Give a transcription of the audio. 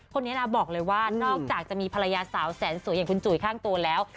คนนี้นะบอกเลยว่านอกจากจะมีภรรยาสาวแสนสวยอย่างคุณจุ๋ยข้างตัวแล้ว